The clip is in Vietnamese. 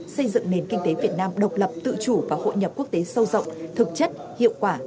xây dựng nền kinh tế việt nam độc lập tự chủ và hội nhập quốc tế sâu rộng thực chất hiệu quả